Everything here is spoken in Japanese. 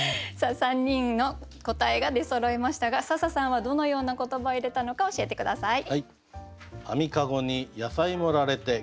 ３人の答えが出そろいましたが笹さんはどのような言葉を入れたのか教えて下さい。